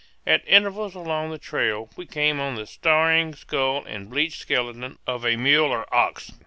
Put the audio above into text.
At intervals along the trail we came on the staring skull and bleached skeleton of a mule or ox.